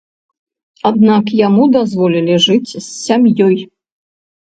Аднак яму дазволілі жыць з сям'ёй.